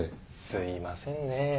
すいませんね